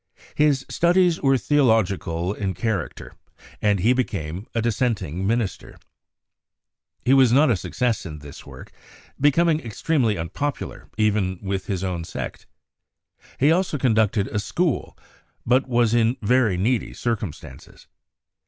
His studies were theo logical in character, and he became a dissenting minister. He was not a success in this work, becoming extremely unpopular even with his own sect. He also conducted a school, but was in very needy circumstances.